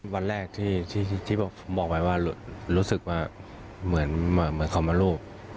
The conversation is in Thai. วันแรกที่ผมบอกไว้ว่ารู้สึกว่าเหมือนเขามารูป